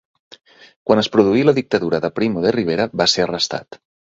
Quan es produí la dictadura de Primo de Rivera va ser arrestat.